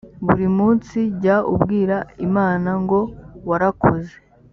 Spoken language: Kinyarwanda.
buri munsi jya ubwira imana ngo warakoze